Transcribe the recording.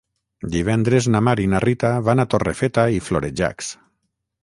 Divendres na Mar i na Rita van a Torrefeta i Florejacs.